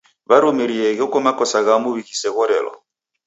Warumirie gheko makosa ghamu ghiseghorelo.